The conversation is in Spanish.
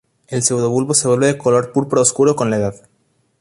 El pseudobulbo se vuelve de color púrpura oscuro con la edad.